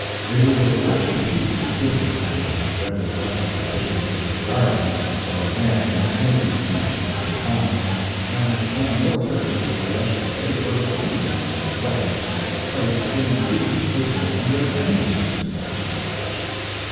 It was a wretched piece of business to let a deadly weapon be taken into a guard room where a man in Kennedy's condition was confined, and unmilitary people yesterday were wondering that weapons should be placed within reach of prisoners under any circumstances.